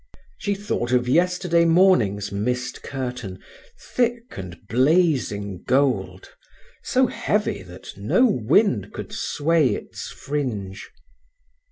She thought of yesterday morning's mist curtain, thick and blazing gold, so heavy that no wind could sway its fringe.